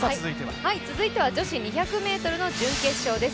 続いては女子２００ｍの準決勝です。